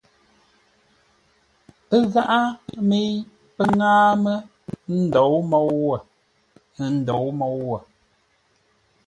Ə́ gháʼá mə́i pə́ ŋáa mə́ ndǒu môu wə̂, ə́ ndǒu môu wə̂.